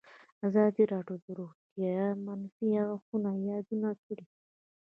ازادي راډیو د روغتیا د منفي اړخونو یادونه کړې.